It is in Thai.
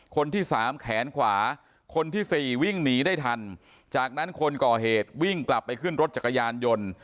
คนที่สามแขนขวาคนที่สี่วิ่งหนีได้ทันจากนั้นคนก่อเหตุวิ่งกลับไปขึ้นรถจักรยานยนต์